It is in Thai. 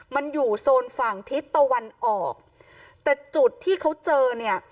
มันอยู่โซนฝั่งทิศตะวันออกแต่จุดที่เขาเจอเนี่ย